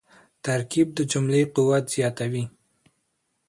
ترکیب د جملې قوت زیاتوي.